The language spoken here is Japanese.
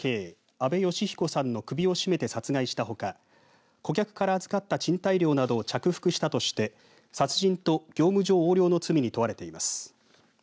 阿部芳彦さんの首を絞めて殺害したほか顧客から預かった賃貸料などを着服したとして殺人と業務上横領の罪に問われています。